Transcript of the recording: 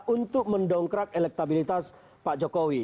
untuk mendongkrak elektabilitas pak jokowi